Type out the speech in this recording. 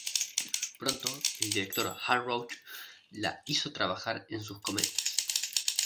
Pronto el director Hal Roach la hizo trabajar en sus comedias.